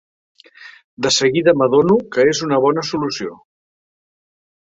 De seguida m'adono que és una bona solució.